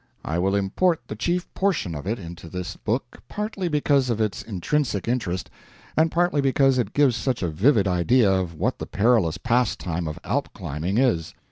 I will import the chief portion of it into this book, partly because of its intrinsic interest, and partly because it gives such a vivid idea of what the perilous pastime of Alp climbing is.